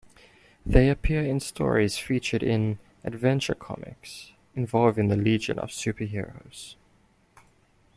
They appear in stories featured in "Adventure Comics" involving the Legion of Super-Heroes.